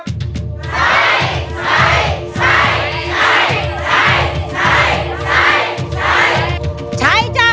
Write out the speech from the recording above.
ใช้ใช้ใช้ใช้ใช้ใช้ใช้ใช้ใช้